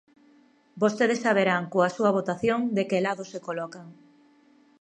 Vostedes saberán coa súa votación de que lado se colocan.